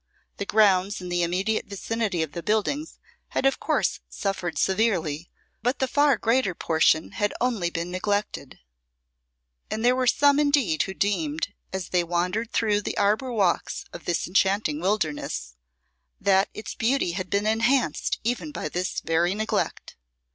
The grounds in the immediate vicinity of the buildings had of course suffered severely, but the far greater portion had only been neglected; and there were some indeed who deemed, as they wandered through the arbour walks of this enchanting wilderness, that its beauty had been enhanced even by this very neglect.